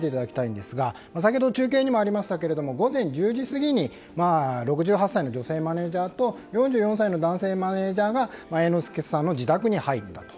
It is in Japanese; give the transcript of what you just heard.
先ほど中継にもありましたけれど午前１０時過ぎに６８歳の女性マネジャーと４４歳の男性マネジャーが猿之助さんの自宅に入ったと。